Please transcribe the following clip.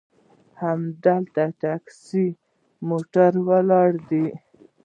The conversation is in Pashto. همدلته ټیکسي موټر ولاړ دي.